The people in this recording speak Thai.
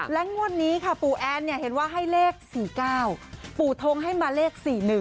งวดนี้ค่ะปู่แอนเห็นว่าให้เลข๔๙ปู่ทงให้มาเลข๔๑